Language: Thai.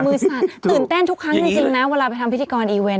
สั่นตื่นเต้นทุกครั้งจริงนะเวลาไปทำพิธีกรอีเวนต